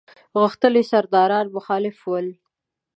غښتلي سرداران مخالف ول.